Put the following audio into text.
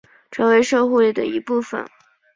成为社会的一部分